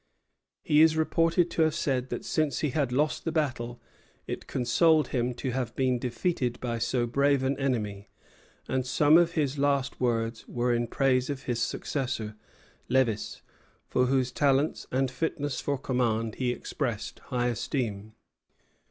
He is reported to have said that since he had lost the battle it consoled him to have been defeated by so brave an enemy; and some of his last words were in praise of his successor, Lévis, for whose talents and fitness for command he expressed high esteem.